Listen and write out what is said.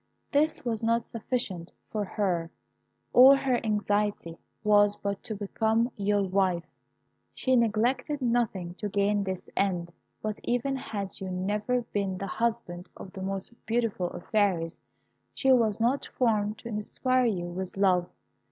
This was not sufficient for her: all her anxiety was but to become your wife. She neglected nothing to gain this end; but even had you never been the husband of the most beautiful of fairies, she was not formed to inspire you with love.